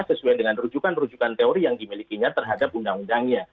sesuai dengan rujukan rujukan teori yang dimilikinya terhadap undang undangnya